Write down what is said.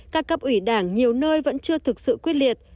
các cấp ủy đảng nhiều nơi vẫn chưa thực sự quyết liệt